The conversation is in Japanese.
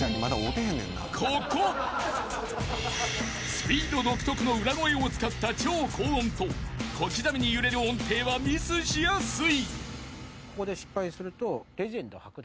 ［ＳＰＥＥＤ独特の裏声を使った超高音と小刻みに揺れる音程はミスしやすい］